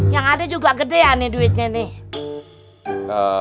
yang ada juga gede aneh duitnya nih